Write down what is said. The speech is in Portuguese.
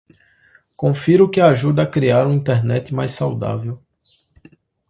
Confira o que ajuda a criar uma Internet mais saudável.